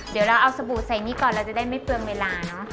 เดี๋ยวเราเอาสบู่ใส่นี่ก่อนเราจะได้ไม่เปลืองเวลาเนอะ